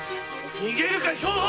逃げるか兵庫！